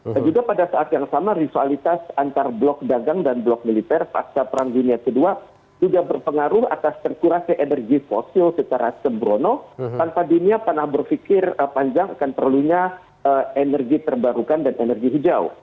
dan juga pada saat yang sama ritualitas antar blok dagang dan blok militer pasca perang dunia ke dua sudah berpengaruh atas terkurasi energi fosil secara sembrono tanpa dunia tanah berfikir panjang akan perlunya energi terbarukan dan energi hijau